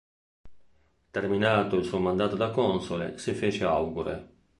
Terminato il suo mandato da console, si fece augure.